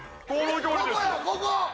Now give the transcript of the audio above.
ここやここ！